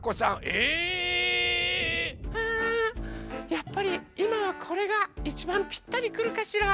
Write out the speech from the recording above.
やっぱりいまはこれがいちばんぴったりくるかしら？